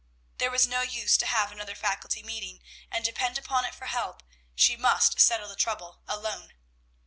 There was no use to have another Faculty meeting, and depend upon it for help; she must settle the trouble alone.